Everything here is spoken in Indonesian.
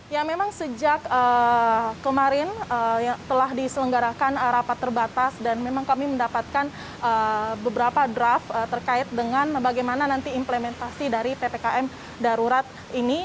ya memang sejak kemarin telah diselenggarakan rapat terbatas dan memang kami mendapatkan beberapa draft terkait dengan bagaimana nanti implementasi dari ppkm darurat ini